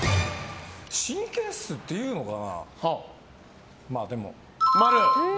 神経質っていうのかな。